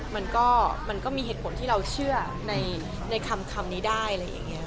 มันก็มีเหตุผลที่เราเชื่อในคำนี้ได้อะไรอย่างนี้